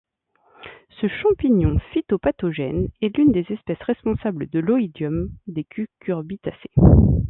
Ce champignon phytopathogène est l'une des espèces responsable de l'oïdium des cucurbitacées.